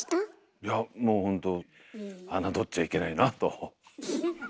いやもうほんと侮っちゃいけないなと。